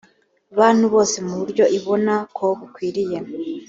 bantu bose mu buryo ibona ko bukwiriye